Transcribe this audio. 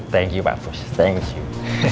thank you pak bos thank you